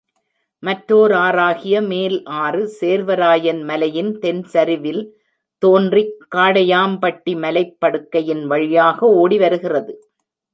மற்றாேர் ஆறாகிய மேல் ஆறு சேர்வராயன் மலையின் தென்சரிவில் தோன்றிக் காடையாம்பட்டி மலைப் படுகையின் வழியாக ஓடிவருகிறது.